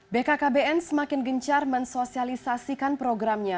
bkkbn semakin gencar mensosialisasikan programnya